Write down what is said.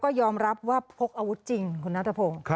ก็ยอมรับว่าพกอาวุธจริงคุณนัทพงศ์